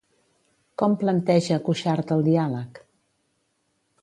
Com planteja Cuixart el diàleg?